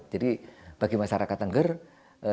jadi bagi masyarakat tenggara